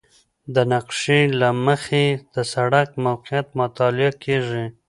د نقشې له مخې د سړک موقعیت مطالعه کیږي